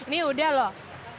ini udah loh